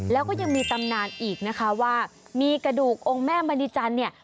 แล้วก็ยังมีตำนานอีกนะคะว่ามีกระดูกองค์แม่มณีจันทร์เนี่ย